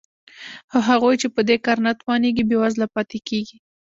خو هغوی چې په دې کار نه توانېږي بېوزله پاتې کېږي